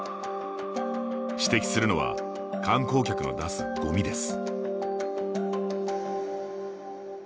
指摘するのは観光客の出すゴミです。